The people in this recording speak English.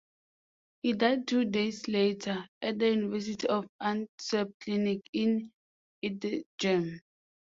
He died two days later, at the University of Antwerp Clinic in Edegem.